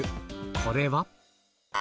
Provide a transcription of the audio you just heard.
これは？